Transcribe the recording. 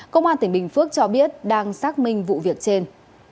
công an tỉnh bình phước cho biết đang xác minh vụ việc trên